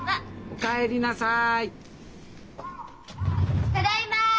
お帰りなさい。